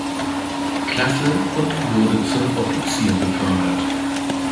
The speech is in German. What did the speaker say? Klasse und wurde zum Offizier befördert.